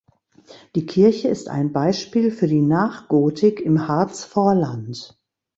Die Kirche ist ein Beispiel für die Nachgotik im Harzvorland.